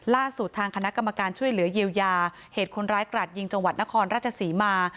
ทางคณะกรรมการช่วยเหลือเยียวยาเหตุคนร้ายกราดยิงจังหวัดนครราชศรีมา